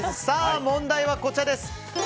問題はこちらです。